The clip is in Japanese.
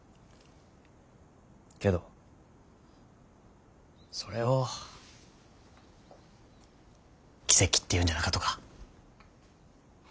けどそれを奇跡って言うんじゃなかとか。